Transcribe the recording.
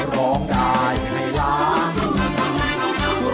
ร้องได้ให้ล้าน